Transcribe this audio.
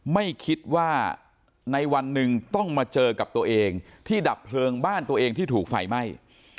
ไม่คิดว่าในวันหนึ่งต้องมาเจอกับตัวเองที่ดับเพลิงบ้านตัวเองที่ถูกไฟไหม้